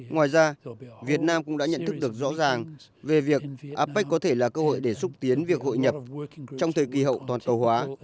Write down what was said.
ngoài ra việt nam cũng đã nhận thức được rõ ràng về việc apec có thể là cơ hội để xúc tiến việc hội nhập trong thời kỳ hậu toàn cầu hóa